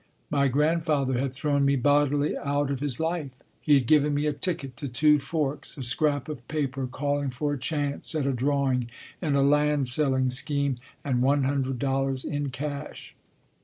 My grandfather had thrown me bodily out of his life. He had given me a ticket to Two Forks, a scrap of paper calling for a chance at a drawing in a land selling scheme, and one hundred dollars in cash.